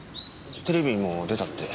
テレビにも出たって。